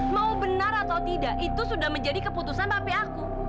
mau benar atau tidak itu sudah menjadi keputusan tapi aku